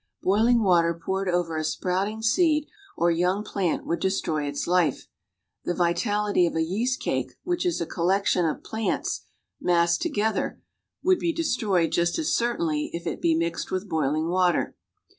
Boiling water poured over a sprouting seed or young plant would destroy its life; the vitality of a yeast cake, which is a collection of plants massed together, would be destroyed just as certainly if it be mixed with boiling water.